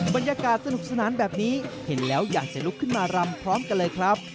บรรยากาศสนุกสนานแบบนี้เห็นแล้วอยากจะลุกขึ้นมารำพร้อมกันเลยครับ